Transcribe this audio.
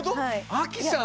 ⁉アキさん！